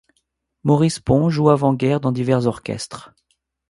Maurice Pon joue avant-guerre dans divers orchestres.